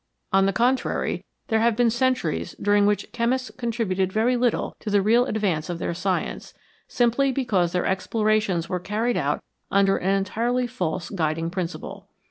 On the contrary, there have been centuries during which chemists con tributed very little to the real advance of their science, simply because their explorations were carried out under an entirely false guiding principle.